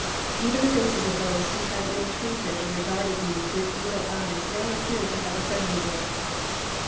Even the faces of those who had ill treated or regarded me with evil eyes now appeared to have a friendly look.